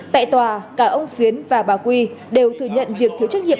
tại tòa cả ông phiến và bà quy đều thừa nhận việc thiếu trách nhiệm